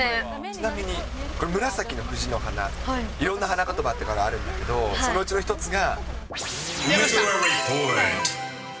ちなみにこれ、紫の藤の花、いろんな花言葉があるんだけど、そのうちの１つが。